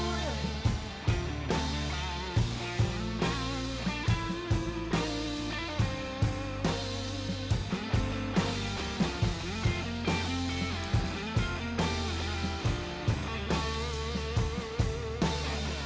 aku mencintaimu lebih dari yang kau tahu